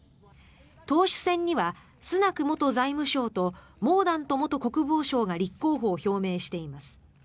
党首選にはスナク元財務相とモーダント元国防相が立候補を表明しています。